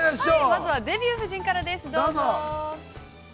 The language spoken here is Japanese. ◆まずは「デビュー夫人」からです、どうぞ。